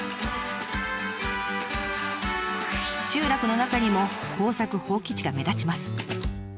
集落の中にも耕作放棄地が目立ちます。